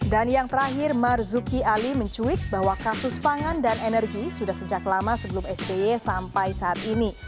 dan yang terakhir marzuki ali mencuit bahwa kasus pangan dan energi sudah sejak lama sebelum sby sampai saat ini